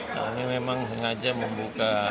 nah ini memang sengaja membuka